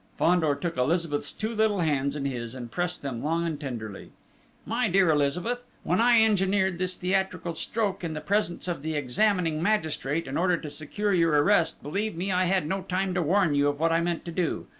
Fandor took Elizabeth's two little hands in his and pressed them long and tenderly. "My dear Elizabeth, when I engineered this theatrical stroke in the presence of the examining magistrate, in order to secure your arrest, believe me, I had no time to warn you of what I meant to do....